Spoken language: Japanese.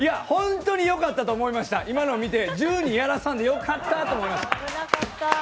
本当によかったと思いました、今の見て、１２やらさんでよかったと思いました。